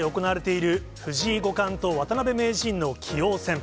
現在行われている、藤井五冠と渡辺名人の棋王戦。